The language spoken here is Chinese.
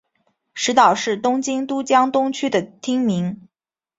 石岛是东京都江东区的町名。